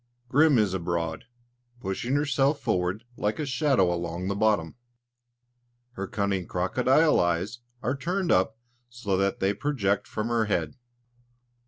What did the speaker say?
Grim is abroad, pushing herself forward like a shadow along the bottom. Her cunning crocodile eyes are turned up so that they project from her head.